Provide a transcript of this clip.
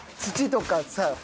土とかさ。